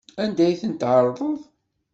Anda ay tent-tɛerḍeḍ?